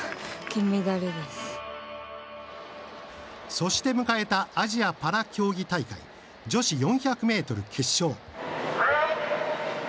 そして迎えたアジアパラ競技大会女子４００ｍ決勝。